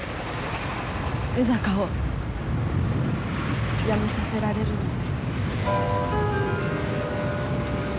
江坂を辞めさせられるのね。